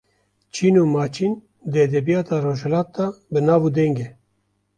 Çîn û Maçin di edebiyata rojhilat de bi nav û deng e.